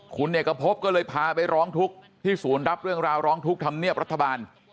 คุณเอกพบก็เลยพาไปร้องทุกข์ที่ศูนย์รับเรื่องราวร้องทุกข์ธรรมเนียบรัฐบาล